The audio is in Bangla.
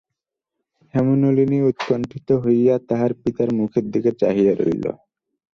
হেমনলিনী উৎকণ্ঠিত হইয়া তাহার পিতার মুখের দিকে চাহিয়া রহিল।